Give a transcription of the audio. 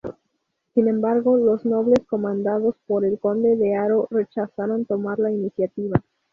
Sin embargo, los nobles comandados por el conde de Haro rechazaron tomar la iniciativa.